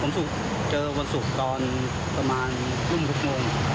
วันศุกร์ผมเจอวันศุกร์ตอนประมาณทุ่มทุกโมง